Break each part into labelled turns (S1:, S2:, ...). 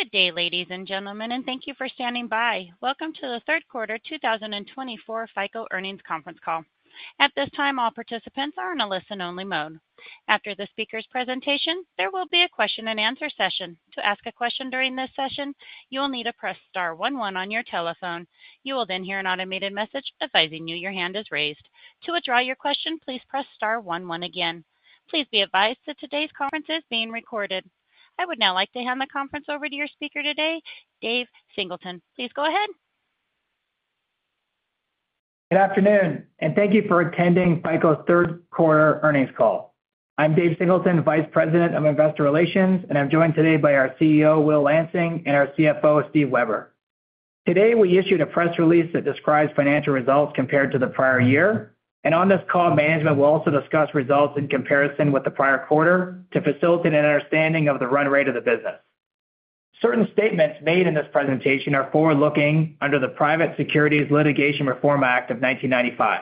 S1: Good day, ladies and gentlemen, and thank you for standing by. Welcome to the third quarter 2024 FICO earnings conference call. At this time, all participants are in a listen-only mode. After the speaker's presentation, there will be a question-and-answer session. To ask a question during this session, you will need to press star one one on your telephone. You will then hear an automated message advising you your hand is raised. To withdraw your question, please press star one one again. Please be advised that today's conference is being recorded. I would now like to hand the conference over to your speaker today, Dave Singleton. Please go ahead.
S2: Good afternoon, and thank you for attending FICO's third quarter earnings call. I'm Dave Singleton, Vice President of Investor Relations, and I'm joined today by our CEO, Will Lansing, and our CFO, Steve Weber. Today, we issued a press release that describes financial results compared to the prior year, and on this call, management will also discuss results in comparison with the prior quarter to facilitate an understanding of the run rate of the business. Certain statements made in this presentation are forward-looking under the Private Securities Litigation Reform Act of 1995.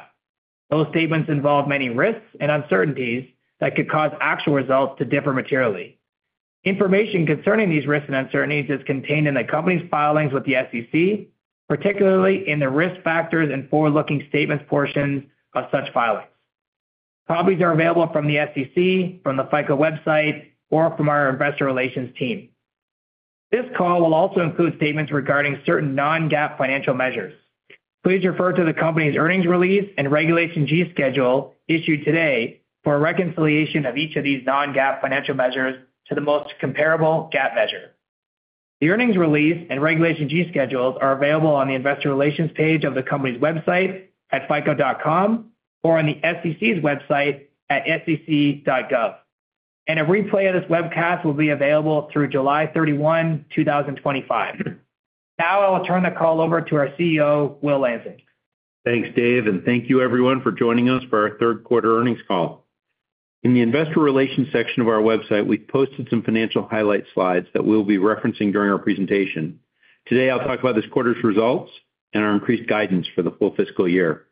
S2: Those statements involve many risks and uncertainties that could cause actual results to differ materially. Information concerning these risks and uncertainties is contained in the company's filings with the SEC, particularly in the Risk Factors and Forward-Looking Statements portions of such filings. Copies are available from the SEC, from the FICO website, or from our investor relations team. This call will also include statements regarding certain non-GAAP financial measures. Please refer to the company's earnings release and Regulation G schedule issued today for a reconciliation of each of these non-GAAP financial measures to the most comparable GAAP measure. The earnings release and Regulation G schedules are available on the investor relations page of the company's website at fico.com or on the SEC's website at sec.gov. A replay of this webcast will be available through July 31, 2025. Now I'll turn the call over to our CEO, Will Lansing.
S3: Thanks, Dave, and thank you everyone for joining us for our third quarter earnings call. In the investor relations section of our website, we've posted some financial highlight slides that we'll be referencing during our presentation. Today, I'll talk about this quarter's results and our increased guidance for the full fiscal year.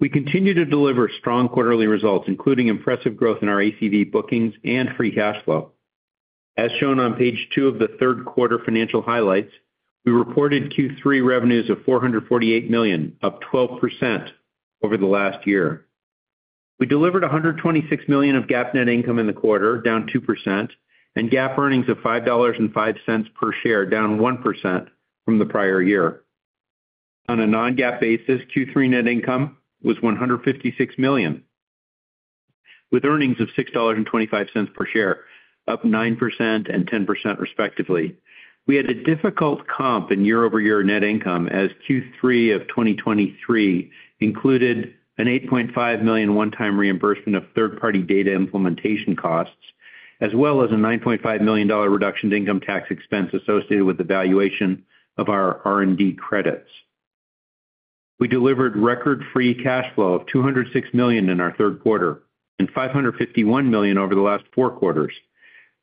S3: We continue to deliver strong quarterly results, including impressive growth in our ACV bookings and free cash flow. As shown on page two of the third quarter financial highlights, we reported Q3 revenues of $448 million, up 12% over the last year. We delivered $126 million of GAAP net income in the quarter, down 2%, and GAAP earnings of $5.05 per share, down 1% from the prior year. On a non-GAAP basis, Q3 net income was $156 million, with earnings of $6.25 per share, up 9% and 10%, respectively. We had a difficult comp in year-over-year net income, as Q3 of 2023 included an $8.5 million one-time reimbursement of third-party data implementation costs, as well as a $9.5 million reduction in income tax expense associated with the valuation of our R&D credits. We delivered record free cash flow of $206 million in our third quarter and $551 million over the last four quarters.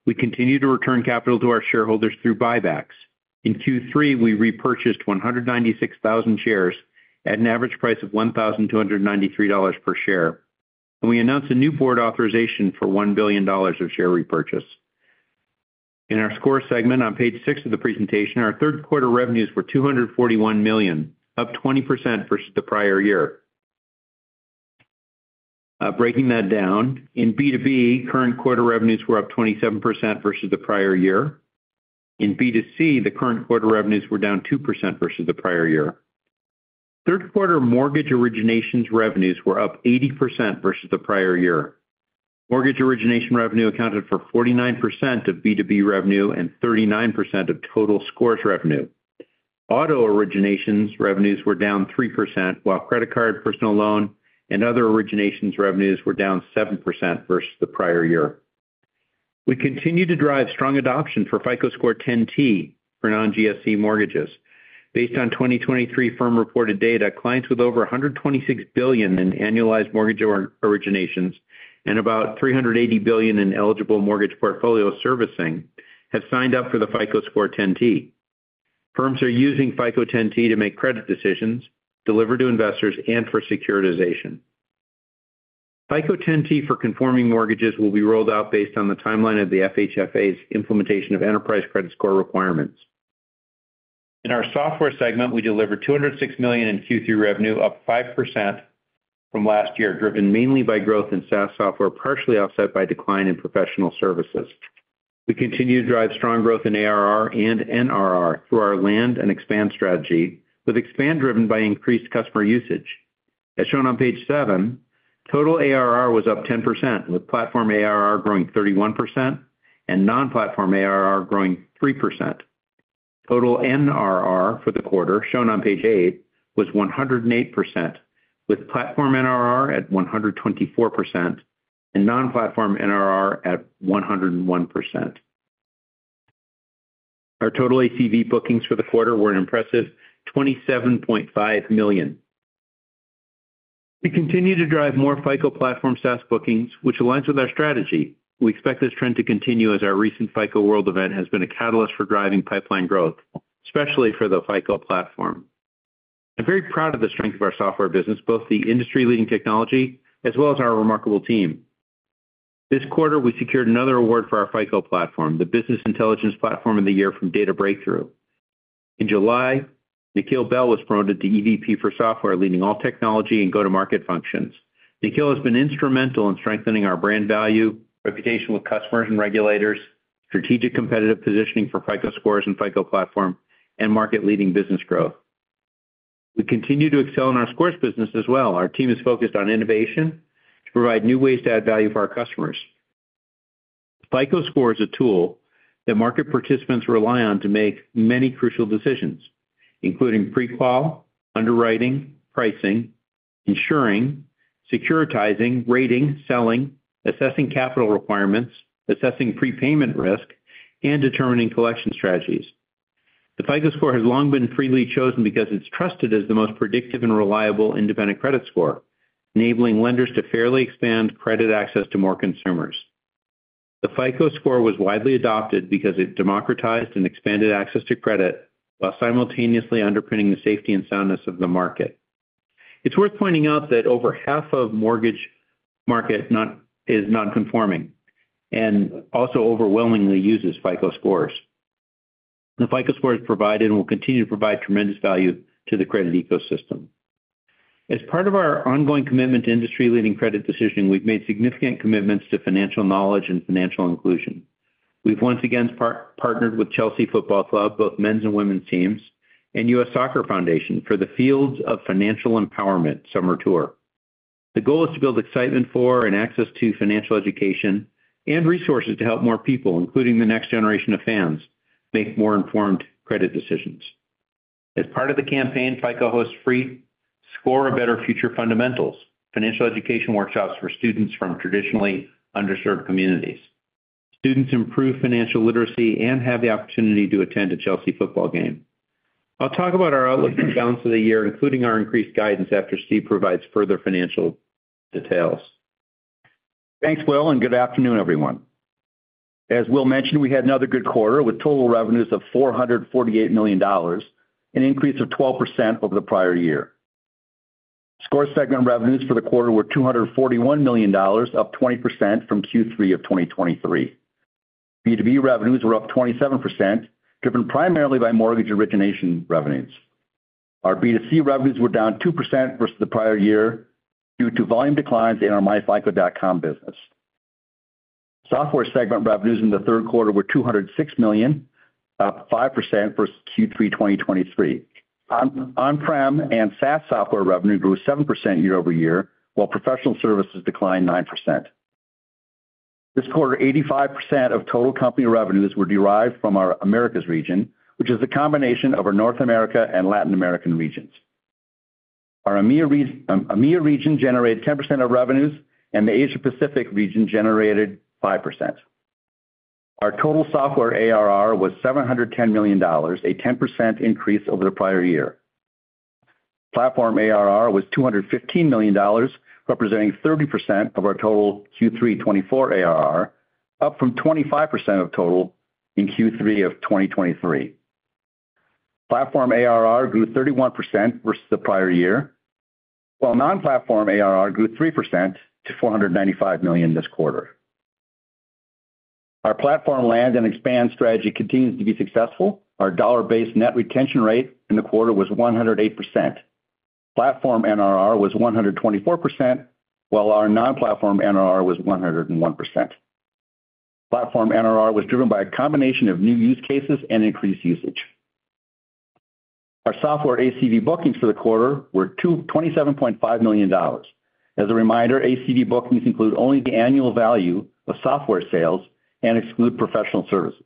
S3: We continue to return capital to our shareholders through buybacks. In Q3, we repurchased 196,000 shares at an average price of $1,293 per share, and we announced a new board authorization for $1 billion of share repurchase. In our score segment on page six of the presentation, our third quarter revenues were $241 million, up 20% versus the prior year. Breaking that down, in B2B, current quarter revenues were up 27% versus the prior year. In B2C, the current quarter revenues were down 2% versus the prior year. Third quarter mortgage originations revenues were up 80% versus the prior year. Mortgage origination revenue accounted for 49% of B2B revenue and 39% of total scores revenue. Auto originations revenues were down 3%, while credit card, personal loan, and other originations revenues were down 7% versus the prior year. We continue to drive strong adoption for FICO Score 10T for non-GSE mortgages. Based on 2023 firm-reported data, clients with over $126 billion in annualized mortgage originations and about $380 billion in eligible mortgage portfolio servicing have signed up for the FICO Score 10T. Firms are using FICO Score 10T to make credit decisions, deliver to investors, and for securitization. FICO Score 10T for conforming mortgages will be rolled out based on the timeline of the FHFA's implementation of enterprise credit score requirements. In our software segment, we delivered $206 million in Q3 revenue, up 5% from last year, driven mainly by growth in SaaS software, partially offset by decline in professional services. We continue to drive strong growth in ARR and NRR through our land and expand strategy, with expand driven by increased customer usage. As shown on page seven, total ARR was up 10%, with platform ARR growing 31% and non-platform ARR growing 3%. Total NRR for the quarter, shown on page eight, was 108%, with platform NRR at 124% and non-platform NRR at 101%. Our total ACV bookings for the quarter were an impressive $27.5 million. We continue to drive more FICO Platform SaaS bookings, which aligns with our strategy. We expect this trend to continue as our recent FICO World event has been a catalyst for driving pipeline growth, especially for the FICO Platform. I'm very proud of the strength of our software business, both the industry-leading technology as well as our remarkable team. This quarter, we secured another award for our FICO Platform, the Business Intelligence Platform of the Year from Data Breakthrough. In July, Nikhil Behl was promoted to EVP for software, leading all technology and go-to-market functions. Nikhil has been instrumental in strengthening our brand value, reputation with customers and regulators, strategic competitive positioning for FICO Scores and FICO Platform, and market-leading business growth. We continue to excel in our Scores business as well. Our team is focused on innovation to provide new ways to add value for our customers. FICO Score is a tool that market participants rely on to make many crucial decisions, including pre-qual, underwriting, pricing, insuring, securitizing, rating, selling, assessing capital requirements, assessing prepayment risk, and determining collection strategies. The FICO Score has long been freely chosen because it's trusted as the most predictive and reliable independent credit score, enabling lenders to fairly expand credit access to more consumers. The FICO Score was widely adopted because it democratized and expanded access to credit, while simultaneously underpinning the safety and soundness of the market. It's worth pointing out that over half of mortgage market is non-conforming, and also overwhelmingly uses FICO Scores. The FICO Score has provided and will continue to provide tremendous value to the credit ecosystem. As part of our ongoing commitment to industry-leading credit decision, we've made significant commitments to financial knowledge and financial inclusion. We've once again partnered with Chelsea Football Club, both men's and women's teams, and U.S. Soccer Foundation for the Fields of Financial Empowerment summer tour. The goal is to build excitement for and access to financial education and resources to help more people, including the next generation of fans, make more informed credit decisions. As part of the campaign, FICO hosts free Score A Better Future Fundamentals, financial education workshops for students from traditionally underserved communities. Students improve financial literacy and have the opportunity to attend a Chelsea football game. I'll talk about our outlook for the balance of the year, including our increased guidance after Steve provides further financial details.
S4: Thanks, Will, and good afternoon, everyone. As Will mentioned, we had another good quarter, with total revenues of $448 million, an increase of 12% over the prior year. Scores segment revenues for the quarter were $241 million, up 20% from Q3 of 2023. B2B revenues were up 27%, driven primarily by mortgage origination revenues. Our B2C revenues were down 2% versus the prior year due to volume declines in our myFICO.com business. Software segment revenues in the third quarter were $206 million, up 5% versus Q3 2023. On-prem and SaaS software revenue grew 7% year over year, while professional services declined 9%. This quarter, 85% of total company revenues were derived from our Americas region, which is a combination of our North America and Latin America regions. Our EMEA region generated 10% of revenues, and the Asia Pacific region generated 5%. Our total software ARR was $710 million, a 10% increase over the prior year. Platform ARR was $215 million, representing 30% of our total Q3 2024 ARR, up from 25% of total in Q3 of 2023. Platform ARR grew 31% versus the prior year, while non-platform ARR grew 3% to $495 million this quarter. Our platform land and expand strategy continues to be successful. Our dollar-based net retention rate in the quarter was 108%. Platform NRR was 124%, while our non-platform NRR was 101%. Platform NRR was driven by a combination of new use cases and increased usage. Our software ACV bookings for the quarter were $27.5 million. As a reminder, ACV bookings include only the annual value of software sales and exclude professional services.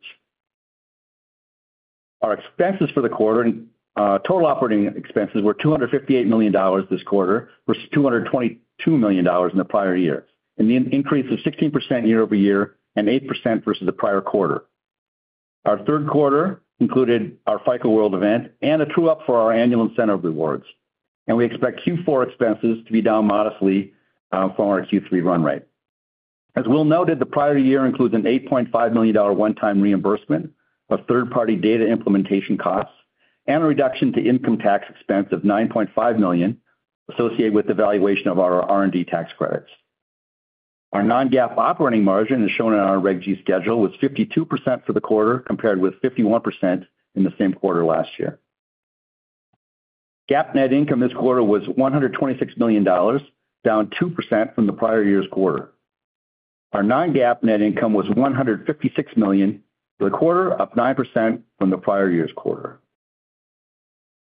S4: Our expenses for the quarter and total operating expenses were $258 million this quarter, versus $222 million in the prior year, an increase of 16% year over year and 8% versus the prior quarter. Our third quarter included our FICO World event and a true-up for our annual incentive rewards, and we expect Q4 expenses to be down modestly from our Q3 run rate. As Will noted, the prior year includes an $8.5 million one-time reimbursement of third-party data implementation costs and a reduction to income tax expense of $9.5 million, associated with the valuation of our R&D tax credits. Our non-GAAP operating margin, as shown in our Reg G schedule, was 52% for the quarter, compared with 51% in the same quarter last year. GAAP net income this quarter was $126 million, down 2% from the prior year's quarter. Our non-GAAP net income was $156 million for the quarter, up 9% from the prior year's quarter.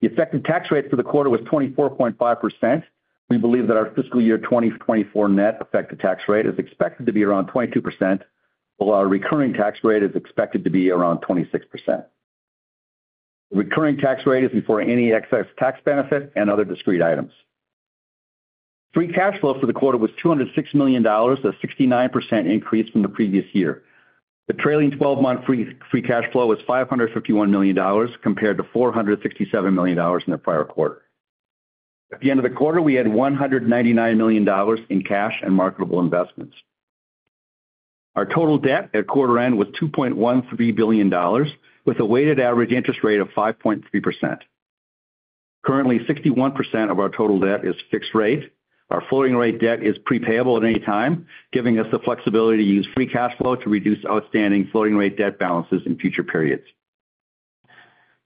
S4: The effective tax rate for the quarter was 24.5%. We believe that our fiscal year 2024 net effective tax rate is expected to be around 22%, while our recurring tax rate is expected to be around 26%. Recurring tax rate is before any excess tax benefit and other discrete items. Free cash flow for the quarter was $206 million, a 69% increase from the previous year. The trailing 12 month free cash flow was $551 million, compared to $467 million in the prior quarter. At the end of the quarter, we had $199 million in cash and marketable investments. Our total debt at quarter end was $2.13 billion, with a weighted average interest rate of 5.3%. Currently, 61% of our total debt is fixed rate. Our floating rate debt is prepayable at any time, giving us the flexibility to use free cash flow to reduce outstanding floating rate debt balances in future periods.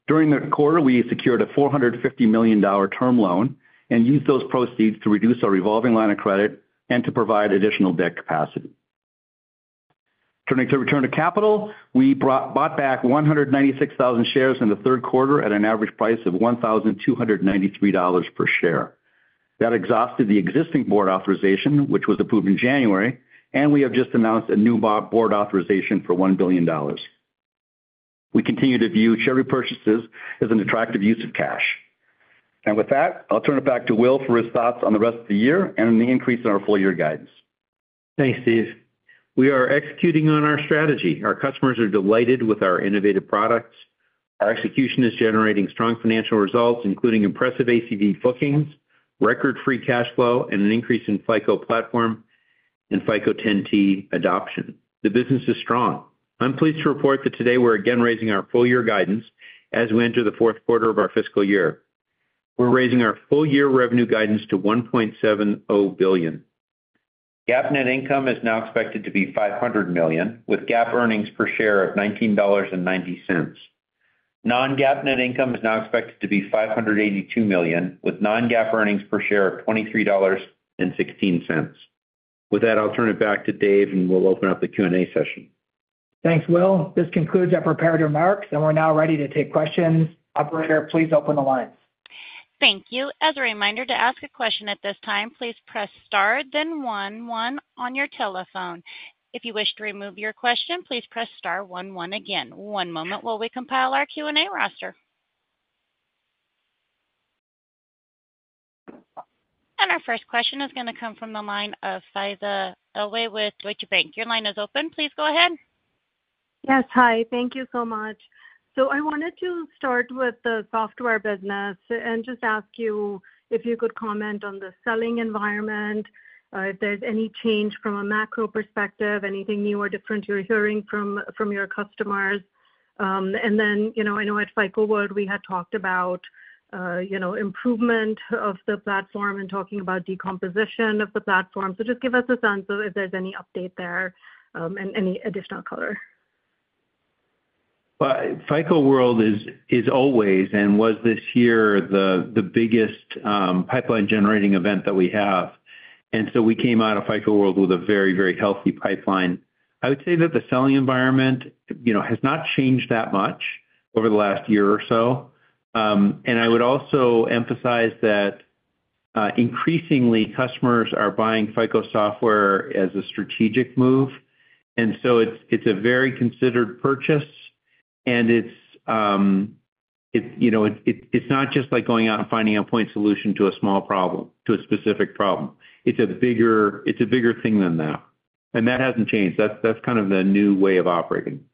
S4: During the quarter, we secured a $450 million term loan and used those proceeds to reduce our revolving line of credit and to provide additional debt capacity. Turning to return to capital, we bought back 196,000 shares in the third quarter at an average price of $1,293 per share. That exhausted the existing board authorization, which was approved in January, and we have just announced a new board authorization for $1 billion. We continue to view share repurchases as an attractive use of cash. And with that, I'll turn it back to Will for his thoughts on the rest of the year and the increase in our full year guidance.
S3: Thanks, Steve. We are executing on our strategy. Our customers are delighted with our innovative products. Our execution is generating strong financial results, including impressive ACV bookings, record free cash flow, and an increase in FICO Platform and FICO 10T adoption. The business is strong. I'm pleased to report that today we're again raising our full year guidance as we enter the fourth quarter of our fiscal year. We're raising our full year revenue guidance to $1.70 billion. GAAP net income is now expected to be $500 million, with GAAP earnings per share of $19.90. Non-GAAP net income is now expected to be $582 million, with non-GAAP earnings per share of $23.16. With that, I'll turn it back to Dave, and we'll open up the Q&A session.
S4: Thanks, Will. This concludes our prepared remarks, and we're now ready to take questions. Operator, please open the line.
S1: Thank you. As a reminder, to ask a question at this time, please press star then one, one on your telephone. If you wish to remove your question, please press star one, one again. One moment while we compile our Q&A roster. Our first question is going to come from the line of Faiza Alwy with Deutsche Bank. Your line is open. Please go ahead.
S5: Yes, hi. Thank you so much. So I wanted to start with the software business and just ask you if you could comment on the selling environment, if there's any change from a macro perspective, anything new or different you're hearing from, from your customers? And then, you know, I know at FICO World, we had talked about, you know, improvement of the platform and talking about decomposition of the platform. So just give us a sense of if there's any update there, and any additional color.
S3: Well, FICO World is always and was this year the biggest pipeline-generating event that we have. And so we came out of FICO World with a very, very healthy pipeline. I would say that the selling environment, you know, has not changed that much over the last year or so. And I would also emphasize that increasingly, customers are buying FICO software as a strategic move, and so it's a very considered purchase, and it's it, you know, it, it's not just like going out and finding a point solution to a small problem, to a specific problem. It's a bigger, it's a bigger thing than that, and that hasn't changed. That's kind of the new way of operating.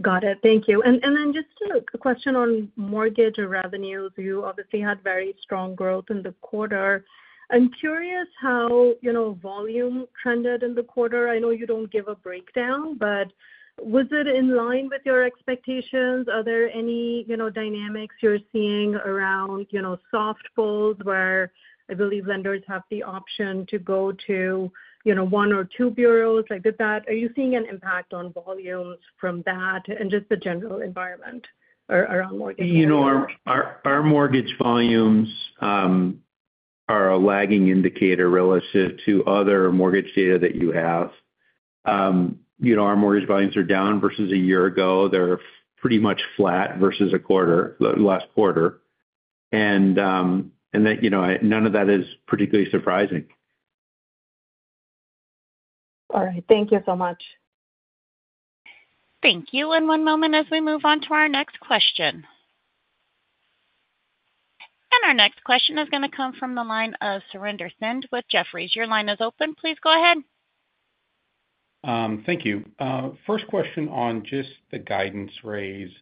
S5: Got it. Thank you. And then just a question on mortgage revenues. You obviously had very strong growth in the quarter. I'm curious how, you know, volume trended in the quarter. I know you don't give a breakdown, but was it in line with your expectations? Are there any, you know, dynamics you're seeing around, you know, soft pulls, where I believe lenders have the option to go to, you know, one or two bureaus? Like, with that, are you seeing an impact on volumes from that and just the general environment around mortgage?
S3: You know, our mortgage volumes are a lagging indicator relative to other mortgage data that you have. You know, our mortgage volumes are down versus a year ago. They're pretty much flat versus last quarter. And that, you know, none of that is particularly surprising.
S5: All right. Thank you so much.
S1: Thank you. And one moment as we move on to our next question. And our next question is going to come from the line of Surinder Thind with Jefferies. Your line is open. Please go ahead.
S6: Thank you. First question on just the guidance raise.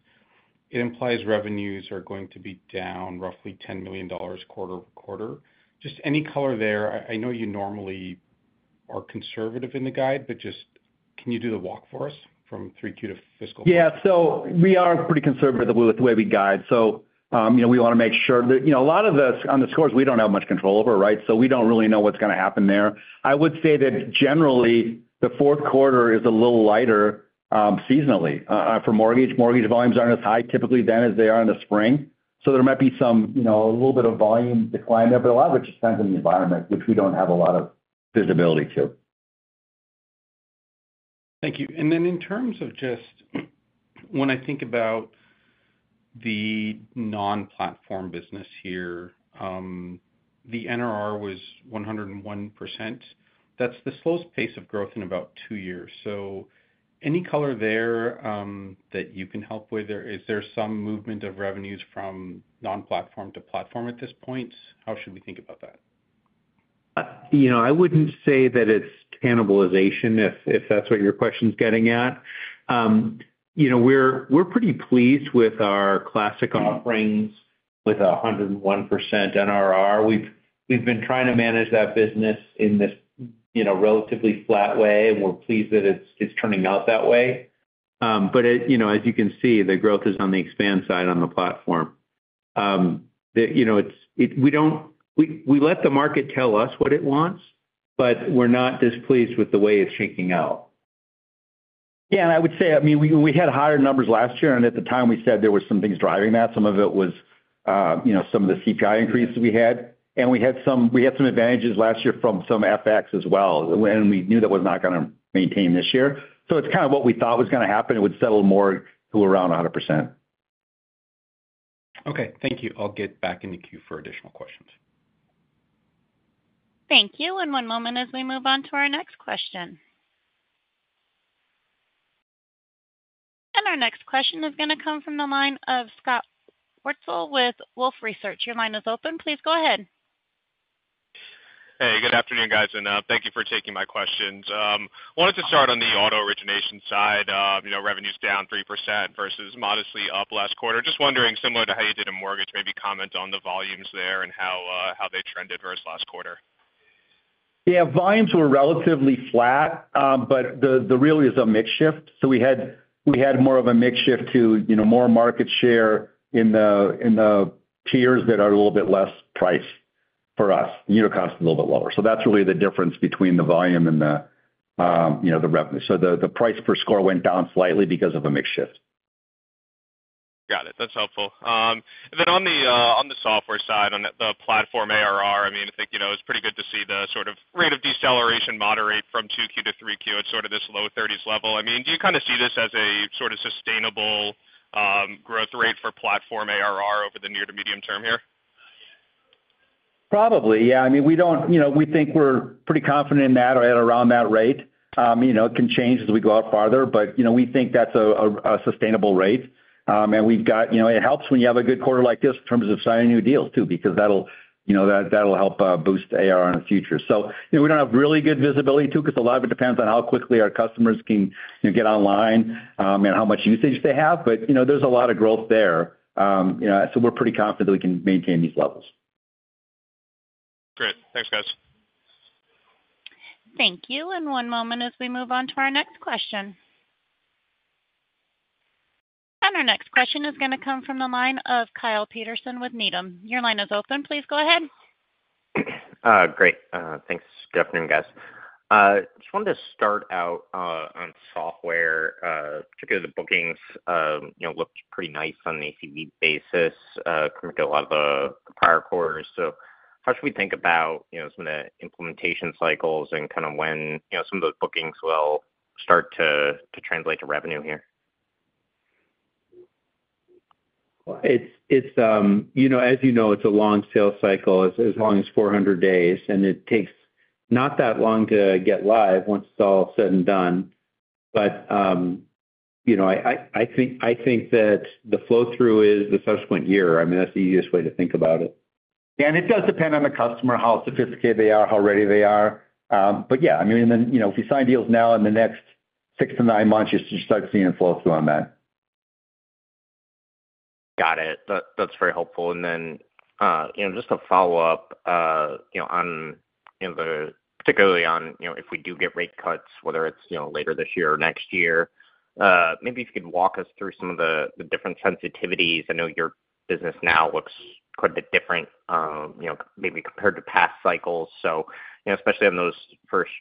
S6: It implies revenues are going to be down roughly $10 million quarter-over-quarter. Just any color there? I know you normally are conservative in the guide, but just can you do the walk for us from 3Q to fiscal?
S3: Yeah. So we are pretty conservative with the way we guide. So, you know, we want to make sure that, you know, a lot of this on the scores, we don't have much control over, right? So we don't really know what's going to happen there. I would say that generally, the fourth quarter is a little lighter, seasonally, for mortgage. Mortgage volumes aren't as high typically then as they are in the spring. So there might be some, you know, a little bit of volume decline there, but a lot of it just depends on the environment, which we don't have a lot of visibility to.
S6: Thank you. And then in terms of just when I think about the non-platform business here, the NRR was 101%. That's the slowest pace of growth in about two years. So any color there, that you can help with? Is there some movement of revenues from non-platform to platform at this point? How should we think about that?
S3: You know, I wouldn't say that it's cannibalization, if that's what your question is getting at. You know, we're pretty pleased with our classic offerings with 101% NRR. We've been trying to manage that business in this, you know, relatively flat way, and we're pleased that it's turning out that way. But you know, as you can see, the growth is on the expand side on the platform. You know, it's. We don't. We let the market tell us what it wants, but we're not displeased with the way it's shaking out.
S4: Yeah, and I would say, I mean, we had higher numbers last year, and at the time, we said there were some things driving that. Some of it was, you know, some of the CI increase we had, and we had some advantages last year from some FX as well, and we knew that was not gonna maintain this year. So it's kind of what we thought was gonna happen. It would settle more to around 100%.
S6: Okay, thank you. I'll get back in the queue for additional questions.
S1: Thank you. And one moment as we move on to our next question. And our next question is gonna come from the line of Scott Wurtzel with Wolfe Research. Your line is open. Please go ahead.
S7: Hey, good afternoon, guys, and thank you for taking my questions. Wanted to start on the auto origination side. You know, revenue's down 3% versus modestly up last quarter. Just wondering, similar to how you did a mortgage, maybe comment on the volumes there and how they trended versus last quarter.
S4: Yeah, volumes were relatively flat, but the, the really is a mix shift. So we had, we had more of a mix shift to, you know, more market share in the, in the tiers that are a little bit less price for us, unit cost is a little bit lower. So that's really the difference between the volume and the, you know, the revenue. So the, the price per score went down slightly because of a mix shift.
S7: Got it. That's helpful. And then on the software side, on the platform ARR, I mean, I think, you know, it's pretty good to see the sort of rate of deceleration moderate from 2Q to 3Q at sort of this low thirties level. I mean, do you kind of see this as a sort of sustainable growth rate for platform ARR over the near to medium term here?
S4: Probably, yeah. I mean, we don't, you know, we think we're pretty confident in that or at around that rate. You know, it can change as we go out farther, but, you know, we think that's a sustainable rate. And we've got... You know, it helps when you have a good quarter like this in terms of signing new deals, too, because that'll, you know, that, that'll help boost ARR in the future. So, you know, we don't have really good visibility, too, 'cause a lot of it depends on how quickly our customers can, you know, get online, and how much usage they have. But, you know, there's a lot of growth there. You know, so we're pretty confident that we can maintain these levels.
S7: Great. Thanks, guys.
S1: Thank you. One moment as we move on to our next question. Our next question is gonna come from the line of Kyle Peterson with Needham. Your line is open. Please go ahead.
S8: Great, thanks. Good afternoon, guys. Just wanted to start out on software, particularly the bookings, you know, looked pretty nice on the ACV basis, compared to a lot of the prior quarters. So how should we think about, you know, some of the implementation cycles and kind of when, you know, some of those bookings will start to translate to revenue here?
S3: It's you know, as you know, it's a long sales cycle, as long as 400 days, and it takes not that long to get live once it's all said and done. But, you know, I think that the flow-through is the subsequent year. I mean, that's the easiest way to think about it.
S4: It does depend on the customer, how sophisticated they are, how ready they are. But yeah, I mean, then, you know, if we sign deals now in the next 6-9 months, you should start seeing a flow-through on that.
S8: Got it. That's very helpful. And then, you know, just to follow up, you know, on, you know, particularly on, you know, if we do get rate cuts, whether it's, you know, later this year or next year, maybe if you could walk us through some of the, the different sensitivities. I know your business now looks quite a bit different, you know, maybe compared to past cycles. So, you know, especially on those first,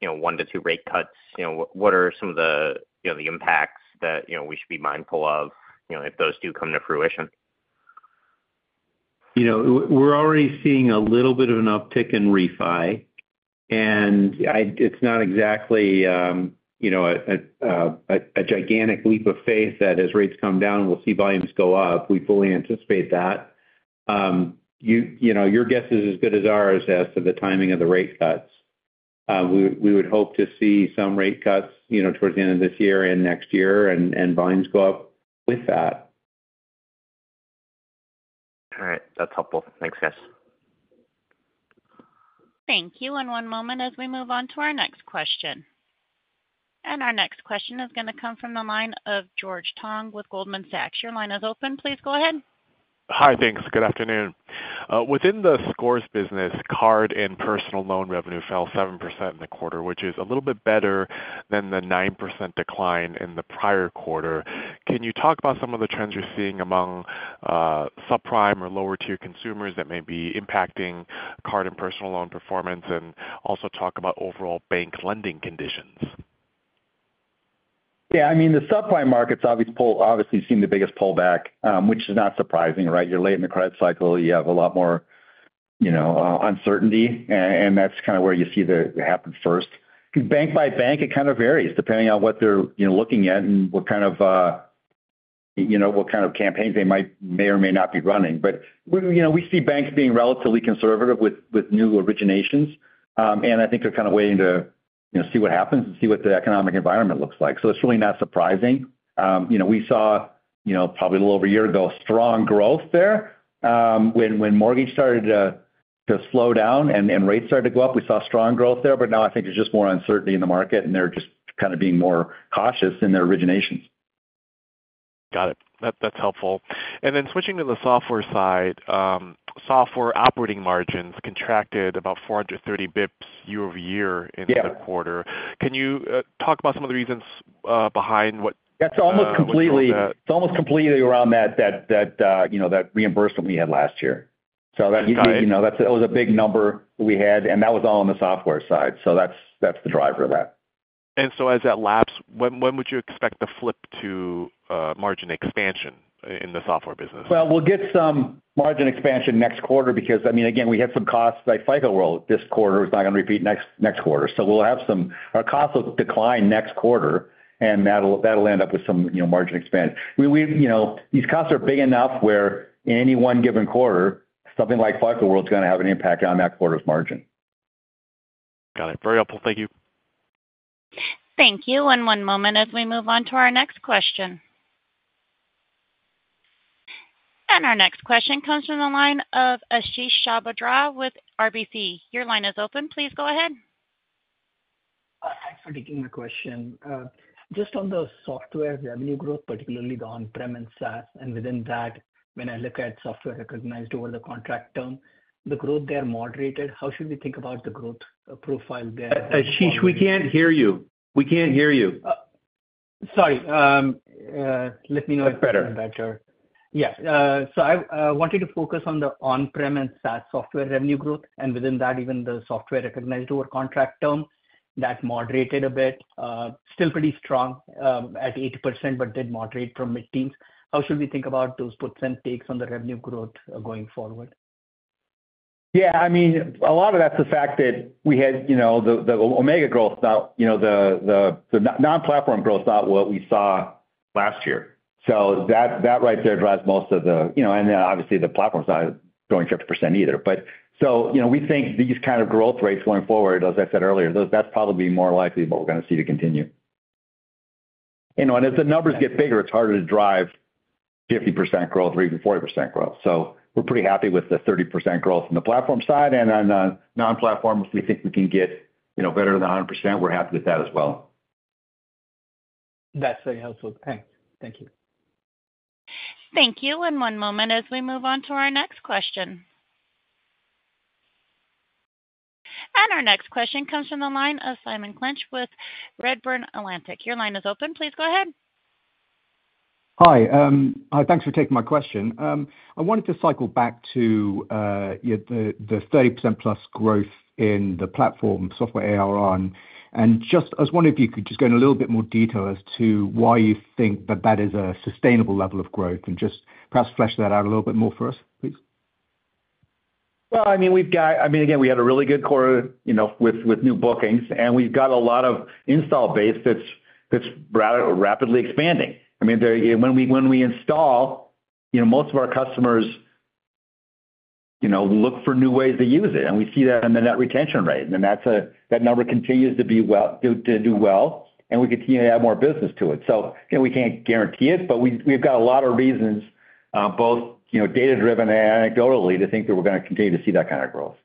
S8: you know, 1-2 rate cuts, you know, what are some of the, you know, the impacts that, you know, we should be mindful of, you know, if those do come to fruition?
S3: You know, we're already seeing a little bit of an uptick in refi, and it's not exactly, you know, a gigantic leap of faith that as rates come down, we'll see volumes go up. We fully anticipate that. You know, your guess is as good as ours as to the timing of the rate cuts. We would hope to see some rate cuts, you know, towards the end of this year and next year, and volumes go up with that.
S8: All right. That's helpful. Thanks, guys.
S1: Thank you. One moment as we move on to our next question. Our next question is gonna come from the line of George Tong with Goldman Sachs. Your line is open. Please go ahead.
S9: Hi, thanks. Good afternoon. Within the scores business, card and personal loan revenue fell 7% in the quarter, which is a little bit better than the 9% decline in the prior quarter. Can you talk about some of the trends you're seeing among subprime or lower-tier consumers that may be impacting card and personal loan performance, and also talk about overall bank lending conditions?
S4: Yeah, I mean, the subprime market's obviously seen the biggest pullback, which is not surprising, right? You're late in the credit cycle, you have a lot more, you know, uncertainty, and that's kind of where you see that it happened first. Bank by bank, it kind of varies depending on what they're, you know, looking at and what kind of, you know, what kind of campaigns they may or may not be running. But, you know, we see banks being relatively conservative with new originations, and I think they're kind of waiting to, you know, see what happens and see what the economic environment looks like. So it's really not surprising. You know, we saw, probably a little over a year ago, strong growth there, when mortgage started to... to slow down and rates started to go up, we saw strong growth there, but now I think there's just more uncertainty in the market, and they're just kind of being more cautious in their originations.
S9: Got it. That's helpful. And then switching to the software side, software operating margins contracted about 430 BPS year-over-year-
S4: Yeah
S9: -in the quarter. Can you talk about some of the reasons behind what drove that?
S4: That's almost completely- it's almost completely around that, that, that, you know, that reimbursement we had last year.
S10: Got it.
S4: So that, you know, that's. It was a big number we had, and that was all on the software side. So that's, that's the driver of that.
S9: So as that laps, when would you expect the flip to margin expansion in the software business?
S4: Well, we'll get some margin expansion next quarter because, I mean, again, we had some costs by FICO World. This quarter is not gonna repeat next quarter. So we'll have some. Our costs will decline next quarter, and that'll end up with some, you know, margin expansion. We, you know, these costs are big enough where any one given quarter, something like FICO World is gonna have an impact on that quarter's margin.
S9: Got it. Very helpful. Thank you.
S1: Thank you. One moment as we move on to our next question. Our next question comes from the line of Ashish Sabadra with RBC. Your line is open. Please go ahead.
S11: Hi, thanks for taking my question. Just on the software revenue growth, particularly the on-prem and SaaS, and within that, when I look at software recognized over the contract term, the growth there moderated. How should we think about the growth profile there?
S4: Ashish, we can't hear you. We can't hear you.
S11: Sorry. Let me know-
S4: That's better.
S11: Better. Yes. So I wanted to focus on the on-prem and SaaS software revenue growth, and within that, even the software recognized over contract term, that moderated a bit, still pretty strong, at 80%, but did moderate from mid-teens. How should we think about those puts and takes on the revenue growth going forward?
S4: Yeah, I mean, a lot of that's the fact that we had, you know, the Omega growth out, you know, the non-platform growth out what we saw last year. So that right there drives most of the... You know, and then obviously, the platform side is growing 50% either. But so, you know, we think these kind of growth rates going forward, as I said earlier, that's probably more likely what we're gonna see to continue. You know, and as the numbers get bigger, it's harder to drive 50% growth or even 40% growth. So we're pretty happy with the 30% growth on the platform side. And on the non-platform, if we think we can get, you know, better than 100%, we're happy with that as well.
S11: That's very helpful. Thanks. Thank you.
S1: Thank you. And one moment as we move on to our next question. And our next question comes from the line of Simon Clinch with Redburn Atlantic. Your line is open. Please go ahead.
S12: Hi, thanks for taking my question. I wanted to cycle back to, yeah, the 30%+ growth in the platform software ARR. And just, I was wondering if you could just go in a little bit more detail as to why you think that is a sustainable level of growth, and just perhaps flesh that out a little bit more for us, please?
S4: Well, I mean, we've got I mean, again, we had a really good quarter, you know, with new bookings, and we've got a lot of install base that's rapidly expanding. I mean, there, when we install, you know, most of our customers, you know, look for new ways to use it, and we see that in the net retention rate, and that's a. That number continues to be well, to do well, and we continue to add more business to it. So, you know, we can't guarantee it, but we've got a lot of reasons, both, you know, data-driven and anecdotally, to think that we're gonna continue to see that kind of growth.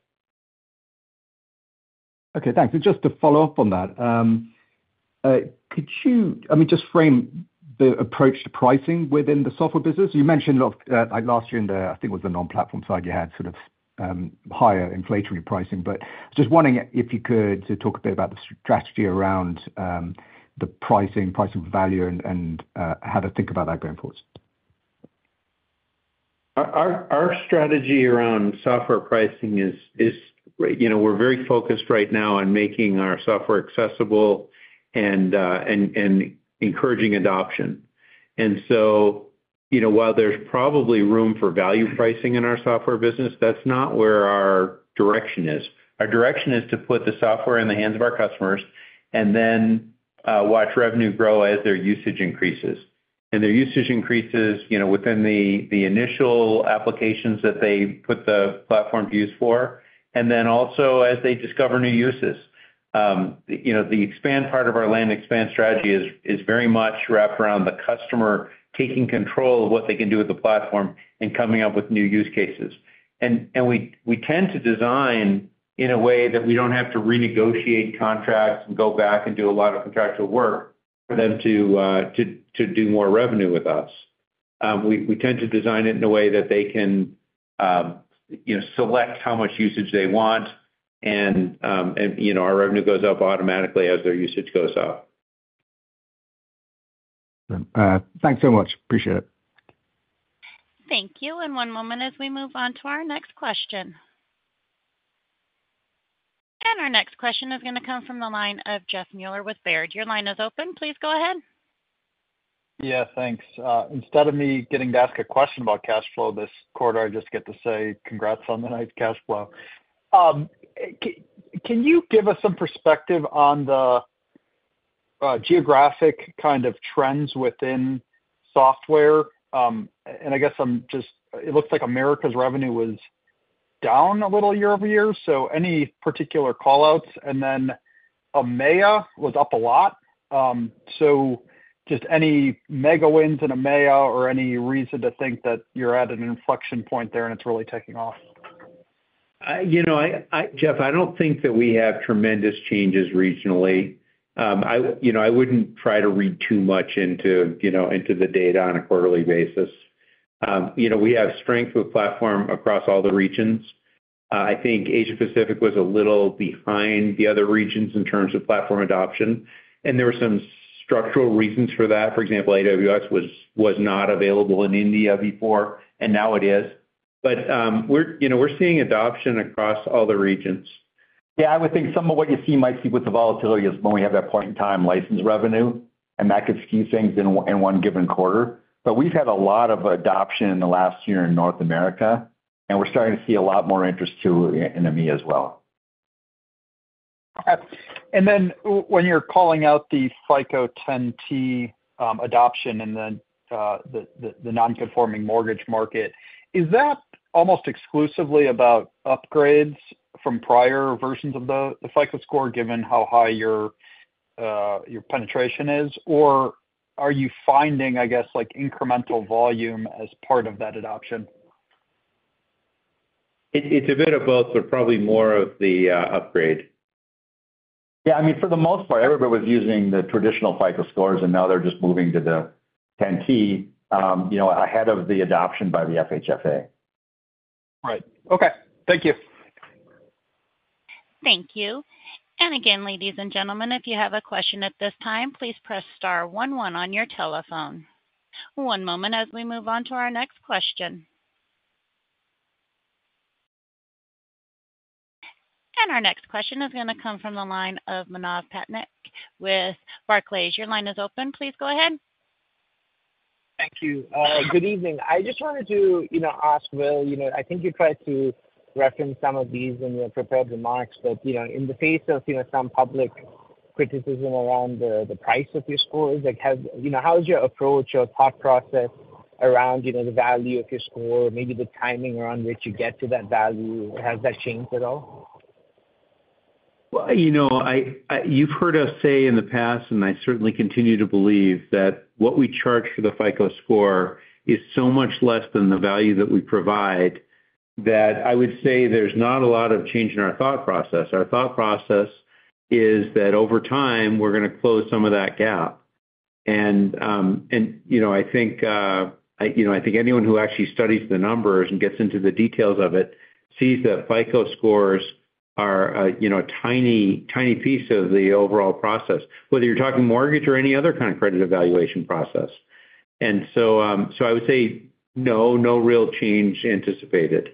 S12: Okay, thanks. And just to follow up on that, could you, I mean, just frame the approach to pricing within the software business? You mentioned, like last year, in the, I think it was the non-platform side, you had sort of, higher inflationary pricing, but just wondering if you could talk a bit about the strategy around, the pricing, pricing value and, and, how to think about that going forward.
S4: Our strategy around software pricing is, you know, we're very focused right now on making our software accessible and encouraging adoption. And so, you know, while there's probably room for value pricing in our software business, that's not where our direction is. Our direction is to put the software in the hands of our customers and then watch revenue grow as their usage increases. And their usage increases, you know, within the initial applications that they put the platform to use for, and then also as they discover new uses. You know, the expand part of our land expand strategy is very much wrapped around the customer taking control of what they can do with the platform and coming up with new use cases. We tend to design in a way that we don't have to renegotiate contracts and go back and do a lot of contractual work for them to do more revenue with us. We tend to design it in a way that they can, you know, select how much usage they want and, you know, our revenue goes up automatically as their usage goes up.
S12: Thanks so much. Appreciate it.
S1: Thank you, and one moment as we move on to our next question. Our next question is gonna come from the line of Jeff Meuler with Baird. Your line is open. Please go ahead.
S10: Yeah, thanks. Instead of me getting to ask a question about cash flow this quarter, I just get to say congrats on the nice cash flow. Can you give us some perspective on the geographic kind of trends within software? And I guess I'm just. It looks like America's revenue was down a little year-over-year, so any particular call-outs? And then EMEA was up a lot.... so just any mega wins in EMEA or any reason to think that you're at an inflection point there, and it's really taking off?
S3: Jeff, I don't think that we have tremendous changes regionally. You know, I wouldn't try to read too much into, you know, into the data on a quarterly basis. You know, we have strength of platform across all the regions. I think Asia Pacific was a little behind the other regions in terms of platform adoption, and there were some structural reasons for that. For example, AWS was not available in India before, and now it is. But, you know, we're seeing adoption across all the regions.
S4: Yeah, I would think some of what you see, might see with the volatility is when we have that point-in-time license revenue, and that could skew things in one given quarter. But we've had a lot of adoption in the last year in North America, and we're starting to see a lot more interest, too, in EMEA as well.
S10: And then when you're calling out the FICO 10T adoption and then the non-conforming mortgage market, is that almost exclusively about upgrades from prior versions of the FICO Score, given how high your penetration is? Or are you finding, I guess, like, incremental volume as part of that adoption?
S3: It's a bit of both, but probably more of the upgrade.
S4: Yeah, I mean, for the most part, everybody was using the traditional FICO Scores, and now they're just moving to the 10T, you know, ahead of the adoption by the FHFA.
S10: Right. Okay, thank you.
S1: Thank you. And again, ladies and gentlemen, if you have a question at this time, please press star one one on your telephone. One moment as we move on to our next question. Our next question is gonna come from the line of Manav Patnaik with Barclays. Your line is open. Please go ahead.
S13: Thank you. Good evening. I just wanted to, you know, ask Will, you know, I think you tried to reference some of these in your prepared remarks, but, you know, in the face of, you know, some public criticism around the price of your scores, like, how, you know, how is your approach or thought process around, you know, the value of your score, maybe the timing around which you get to that value? Has that changed at all?
S3: Well, you know, You've heard us say in the past, and I certainly continue to believe, that what we charge for the FICO Score is so much less than the value that we provide, that I would say there's not a lot of change in our thought process. Our thought process is that over time, we're gonna close some of that gap. And, and, you know, I think, you know, I think anyone who actually studies the numbers and gets into the details of it sees that FICO Scores are a, you know, a tiny, tiny piece of the overall process, whether you're talking mortgage or any other kind of credit evaluation process. And so, so I would say no, no real change anticipated.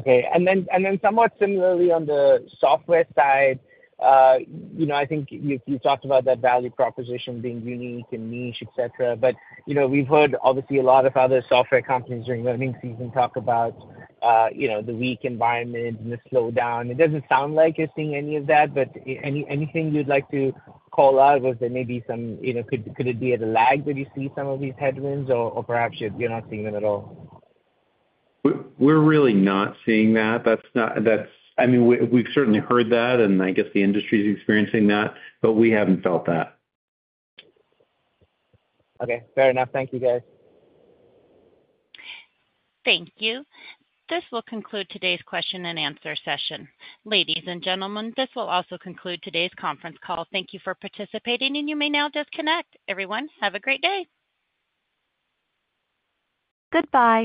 S13: Okay. And then somewhat similarly, on the software side, you know, I think you talked about that value proposition being unique and niche, et cetera. But, you know, we've heard obviously a lot of other software companies during earnings season talk about, you know, the weak environment and the slowdown. It doesn't sound like you're seeing any of that, but anything you'd like to call out? Was there maybe some, you know, could it be at a lag that you see some of these headwinds, or perhaps you're not seeing them at all?
S3: We're really not seeing that. That's not, that's—I mean, we, we've certainly heard that, and I guess the industry is experiencing that, but we haven't felt that.
S13: Okay, fair enough. Thank you, guys.
S1: Thank you. This will conclude today's question and answer session. Ladies and gentlemen, this will also conclude today's conference call. Thank you for participating, and you may now disconnect. Everyone, have a great day. Goodbye.